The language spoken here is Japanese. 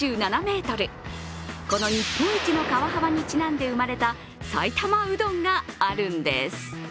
この日本一の川幅にちなんで生まれた埼玉うどんがあるんです。